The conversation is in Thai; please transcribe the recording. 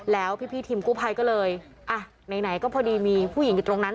แล้วพี่ทีมกู้ภัยก็เลยอ่ะไหนก็พอดีมีผู้หญิงอยู่ตรงนั้น